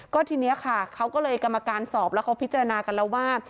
ก็ทีนี้ค่ะเขาก็เลยกรรมการสอบแล้วเขาพิจารณากันแล้วว่า